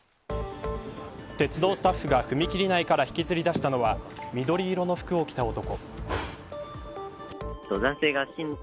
鉄道スタッフが踏切内から引きずり出したのは緑色の服を着た男。